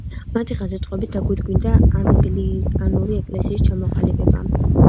მათი ხელშეწყობით დაგვირგვინდა ანგლიკანური ეკლესიის ჩამოყალიბება.